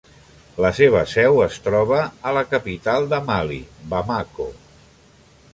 La seva seu es troba a la capital de Mali, Bamako.